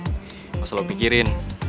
nggak usah lo pikirin